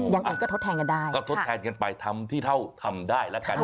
ยังไงก็ทดแทนกันได้นะครับก็ทดแทนกันไปทำที่เท่าทำได้แล้วกันเนอะ